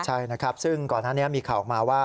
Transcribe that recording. ใช่นะครับซึ่งก่อนหน้านี้มีข่าวออกมาว่า